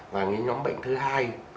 và những nhóm bệnh thứ hai